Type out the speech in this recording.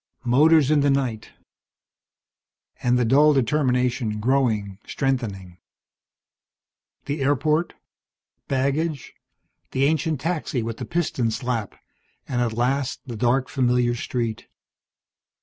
Motors in the night. And the dull determination growing, strengthening. The airport, baggage, the ancient taxi with the piston slap, and at last the dark, familiar street.